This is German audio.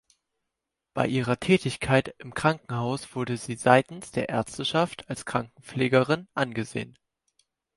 Bei ihrer Tätigkeit im Krankenhaus wurde sie seitens der Ärzteschaft als Krankenpflegerin angesehen.